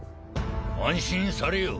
安心されよ。